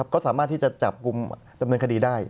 ก็สามารถที่จะจับกลุ่มดำเนินคดีได้